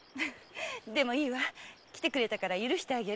でもいいわ。来てくれたから許してあげる。